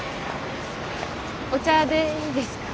お茶でいいですか？